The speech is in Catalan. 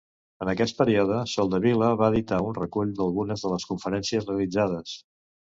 En aquest període, Soldevila va editar un recull d'algunes de les conferències realitzades.